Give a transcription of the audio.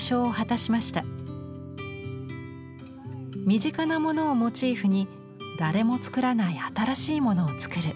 身近なものをモチーフに誰も作らない新しいものを作る。